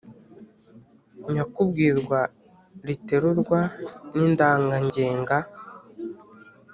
nyakubwirwa riterurwa n’indangangenga,